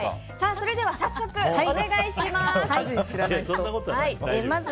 それでは早速、お願いします。